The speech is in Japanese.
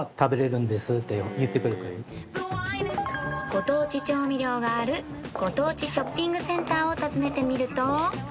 ご当地調味料があるご当地ショッピングセンターを訪ねてみると